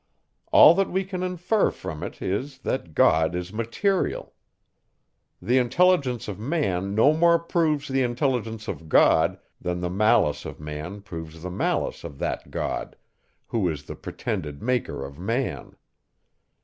All that we can infer from it, is, that God is material. The intelligence of man no more proves the intelligence of God, than the malice of man proves the malice of that God, who is the pretended maker of man.